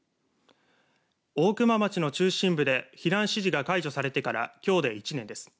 大熊町の中心部で避難指示が解除されてからきょうで１年です。